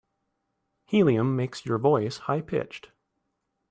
Helium makes your voice high pitched.